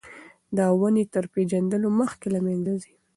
دا ونې تر پېژندلو مخکې له منځه ځي.